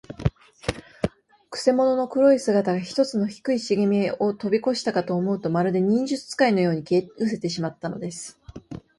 くせ者の黒い姿が、ひとつの低いしげみをとびこしたかと思うと、まるで、忍術使いのように、消えうせてしまったのです。